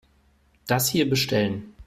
Das hier bestellen.